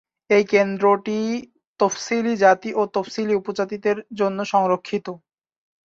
এই কেন্দ্রটি তফসিলি জাতি ও তফসিলী উপজাতিদের জন্য সংরক্ষিত।